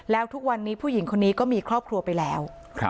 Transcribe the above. แล้วทุกวันนี้ผู้หญิงคนนี้ก็มีครอบครัวไปแล้ว